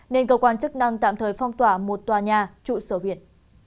nên cơ quan chức năng tạm thời phong tỏa một tòa nhà trụ sở huyện